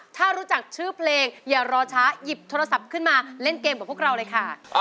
ถ้ารู้จักชื่อเพลงอย่ารอช้าหยิบโทรศัพท์ขึ้นมาเล่นเกมกับพวกเราเลยค่ะ